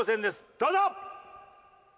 どうぞ！